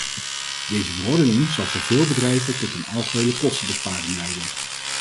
Deze verordening zal voor veel bedrijven tot een algehele kostenbesparing leiden.